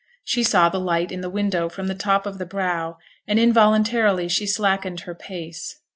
She saw the light in the window from the top of the brow, and involuntarily she slackened her pace.